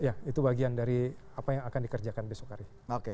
ya itu bagian dari apa yang akan dikerjakan besok hari